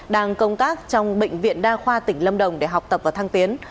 đang công tác trong bệnh viện đa khoa tỉnh lâm đồng để học tập và thăng tiến